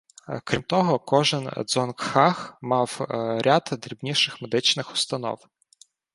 Крім того, кожен дзонгхаг мав ряд дрібніших медичних установ.